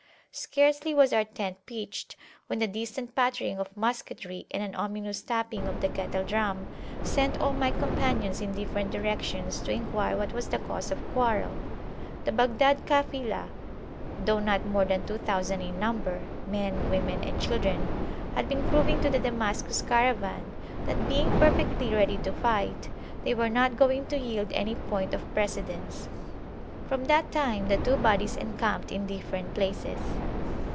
Scarcely was our tent pitched, when the distant pattering of musketry and an ominous tapping of the kettle drum sent all my companions in different directions to enquire what was the cause of quarrel. The Baghdad Cafilah, though not more than 2000 in number, men, women and children, had been proving to the Damascus Caravan, that, being perfectly ready to fight, they were not going to yield any point of precedence. From that time the two bodies [p.129] encamped in different places.